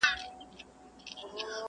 سلامي سول که امیرکه اردلیان وه٫